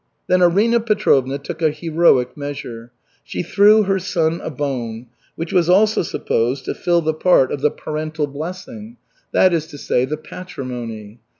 Then Arina Petrovna took a heroic measure. She "threw her son a bone," which was also supposed to fill the part of the "parental blessing," that is to say, the patrimony.